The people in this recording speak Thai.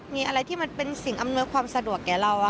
มีอะไรที่มันเป็นสิ่งอำนวยความสะดวกแก่เรา